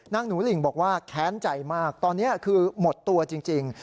หนูหลิ่งบอกว่าแค้นใจมากตอนนี้คือหมดตัวจริง